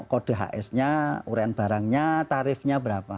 kode hs nya urean barangnya tarifnya berapa